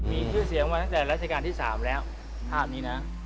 มีชื่อเสียงมาตั้งแต่รัชกาลที่๓แล้วภาพนี้นะ